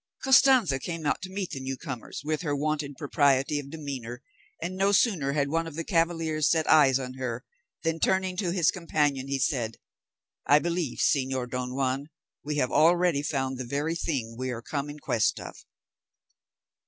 Costanza came out to meet the new comers with her wonted propriety of demeanour, and no sooner had one of the cavaliers set eyes on her, than, turning to his companion, he said, "I believe, señor Don Juan, we have already found the very thing we are come in quest of."